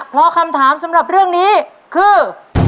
เพราะคำถามสำหรับเรื่องนี้คือ